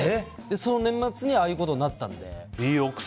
その年末にああいうことになったので。